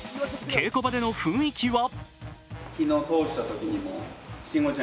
稽古場での雰囲気は？